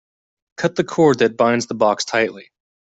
Cut the cord that binds the box tightly.